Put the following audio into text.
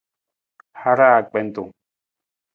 Haraa akpentung.